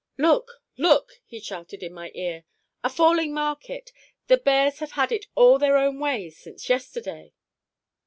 "Look, look," he shouted in my ear; "a falling market! The bears have had it all their own way since yesterday."